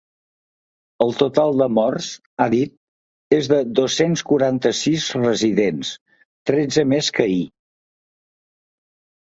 El total de morts, ha dit, és de dos-cents quaranta-sis residents, tretze més que ahir.